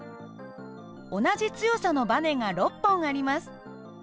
同じ強さのばねが６本あります。